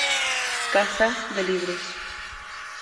Caza de Libros.